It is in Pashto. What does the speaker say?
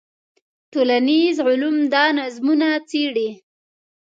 ټولنیز علوم دا نظمونه څېړي.